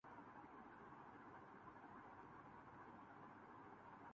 یہ سب شیطانی کام ہیں اور پھر شریف لڑکیاں لڑکے بھی اس رو میں چل پڑتے ہیں